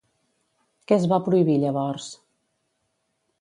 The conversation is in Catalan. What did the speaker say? Què es va prohibir llavors?